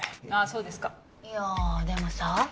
そうですかいやでもさ